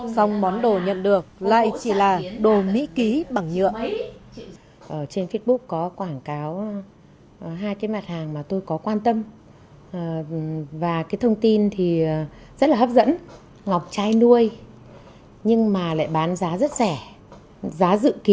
xong món đồ nhận được lại chỉ là đồ mỹ ký bằng nhựa